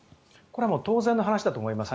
当然の話だと思います。